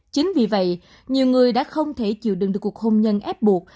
chính vì vậy nhiều người đã không thể chịu đựng được cuộc hôn nhân ép buộc